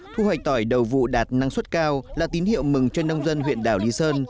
thu hoạch tỏi đầu vụ đạt năng suất cao là tín hiệu mừng cho nông dân huyện đảo lý sơn